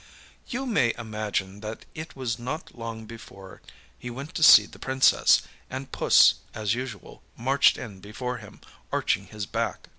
You may imagine that it was not long before he went to see the Princess, and puss, as usual, marched in before him, arching his back.